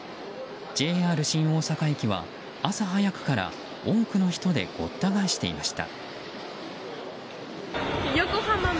ＪＲ新大阪駅は朝早くから多くの人でごった返していました。